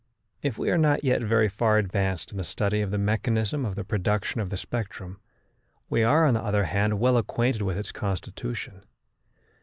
If we are not yet very far advanced in the study of the mechanism of the production of the spectrum, we are, on the other hand, well acquainted with its constitution.